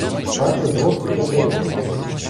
Бачу двох з чотирьох.